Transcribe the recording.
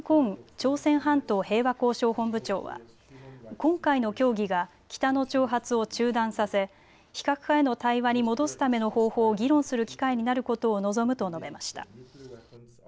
朝鮮半島平和交渉本部長は今回の協議が北の挑発を中断させ非核化への対話に戻すための方法を議論する機会になることを望むと述べました。